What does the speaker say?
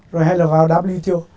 rồi hay là vào wto